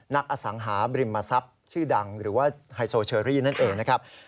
อสังหาบริมทรัพย์ชื่อดังหรือว่าไฮโซเชอรี่นั่นเองนะครับ